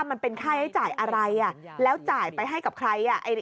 มันเป็นค่าใช้จ่ายอะไรแล้วจ่ายไปให้กับใคร